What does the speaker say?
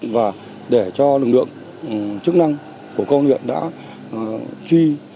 và để cho lực lượng chức năng của công viện đã truy